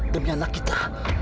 demi anak kita